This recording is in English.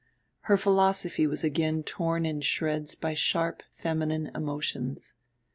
Her philosophy was again torn in shreds by sharp feminine emotions.